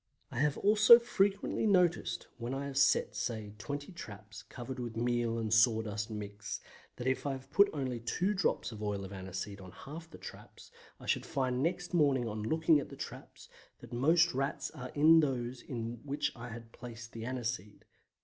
I have also frequently noticed when I have set, say, 20 traps covered with meal and sawdust mixed, that if I have put only two drops of oil of aniseed on half the traps I should find next morning on looking at the traps that most Rats are in those in which I had placed the aniseed.